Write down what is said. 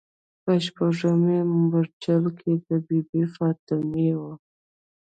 په شپږمې مورچلې کې د بي بي فاطمې و.